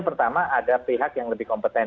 pertama ada pihak yang lebih kompeten